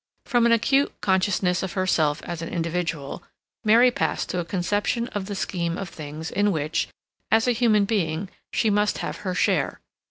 From an acute consciousness of herself as an individual, Mary passed to a conception of the scheme of things in which, as a human being, she must have her share.